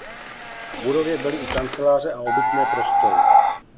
V budově byly i kanceláře a obytné prostory.